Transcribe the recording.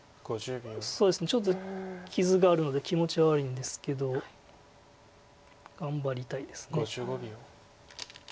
そうですねちょっと傷があるので気持ちは悪いんですけど頑張りたいです。